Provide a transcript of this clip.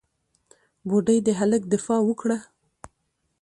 بوډۍ د هلک دفاع وکړه.